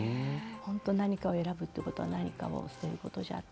本当何かを選ぶってことは何かを捨てることじゃ。